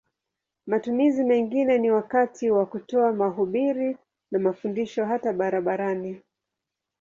Matumizi mengine ni wakati wa kutoa mahubiri na mafundisho hata barabarani.